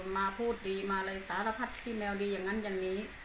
มาพูดดีมาเลยสารพัดขี้แมวดีอย่างนั้นอย่างนี้